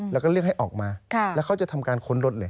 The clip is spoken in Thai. แล้วก็เรียกให้ออกมาแล้วเขาจะทำการค้นรถเลย